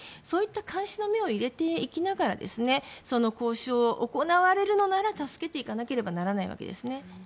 そういった監視の目を入れていきながらその交渉を行われるのなら助けていかなければならないわけです。